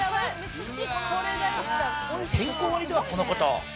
てんこ盛りとは、このこと。